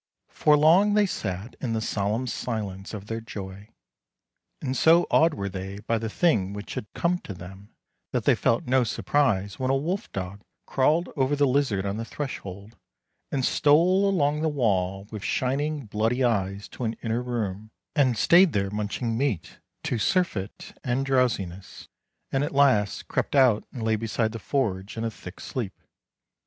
For long they sat in the solemn silence of their joy, and so awed were they by the thing which had come to them that they felt no surprise when a wolf dog crawled over the lizard on the threshold, and stole along the wall with shining, bloody eyes to an inner room, and stayed there munching meat to surfeit and drowsiness, and at last crept out and lay beside the forge in a thick sleep.